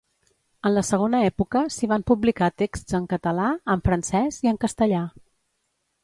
En la segona època s’hi van publicar texts en català, en francès i en castellà.